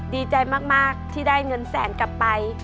ดีใจมากที่ได้เงินแสนกลับไป